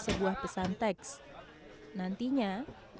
ketika penyelamat menangkap pesan